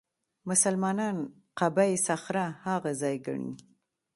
مسلمانان قبه الصخره هغه ځای ګڼي.